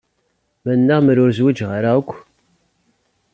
Mennaɣ mer ur zwiǧeɣ ara akk.